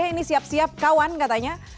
ini siap siap kawan katanya